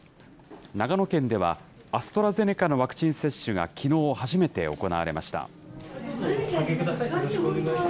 長野県では、アストラゼネカのワクチン接種がきのう初めて行われました。